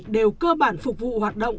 đều cơ bản phục vụ hoạt động